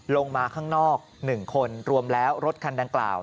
ลงมาข้างนอก๑คนรวมแล้วรถคันดังกล่าว